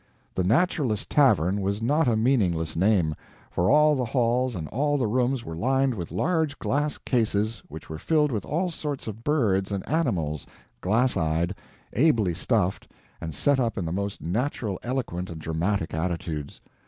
"The Naturalist Tavern" was not a meaningless name; for all the halls and all the rooms were lined with large glass cases which were filled with all sorts of birds and animals, glass eyed, ably stuffed, and set up in the most natural eloquent and dramatic attitudes.